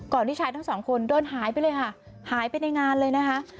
ที่ชายทั้งสองคนเดินหายไปเลยค่ะหายไปในงานเลยนะคะ